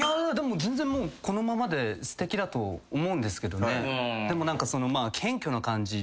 全然もうこのままですてきだと思うんですけどね。